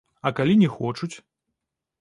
А калі не хочуць?